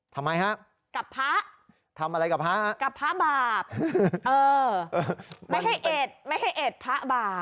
ทำไมฮะกับพระทำอะไรกับพระฮะกับพระบาปเออไม่ให้เอ็ดไม่ให้เอ็ดพระบาป